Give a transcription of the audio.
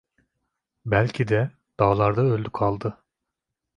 Belki de dağlarda öldü kaldı!